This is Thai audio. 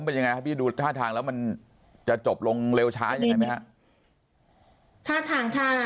เป็นยังไงครับพี่ดูท่าทางแล้วมันจะจบลงเร็วช้ายังไงไหมฮะท่าทางถ้า